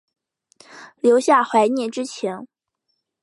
留下怀念之情